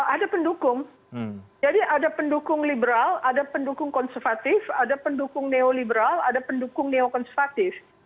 ada pendukung jadi ada pendukung liberal ada pendukung konservatif ada pendukung neoliberal ada pendukung neokonservatif